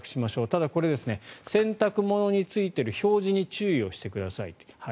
ただ、これ洗濯物についている表示に注意をしてください。